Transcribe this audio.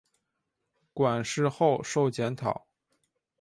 馆试后授检讨。